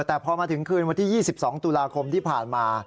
แต่พอมาถึงคืนวันที่๒๒ตุลาคมที่ผ่านมา